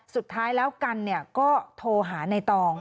สุดท้ายแล้วกันก็โทรหาในตอง